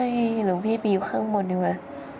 หลวงพี่ไปอยู่ข้างบนดีกว่า